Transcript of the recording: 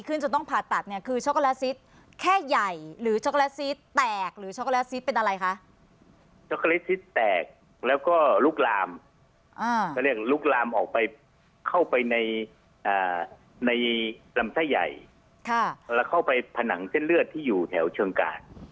เข้าไปผนังเส้นเลือดที่อยู่แถวเชิงกาล